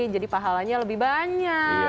jadi pahalanya lebih banyak